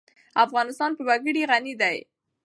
افغانستان په وګړي غني دی.